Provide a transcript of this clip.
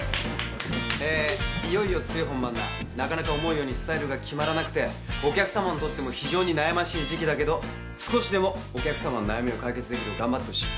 なかなか思うようにスタイルが決まらなくてお客さまにとっても非常に悩ましい時季だけど少しでもお客さまの悩みを解決できるよう頑張ってほしい。